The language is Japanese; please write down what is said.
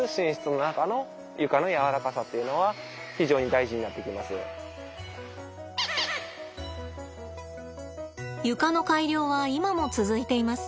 必ずやっぱり床の改良は今も続いています。